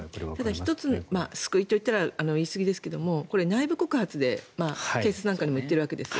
ただ１つ救いと言ったら言い過ぎですけど内部告発で警察なんかにも行ってるわけです。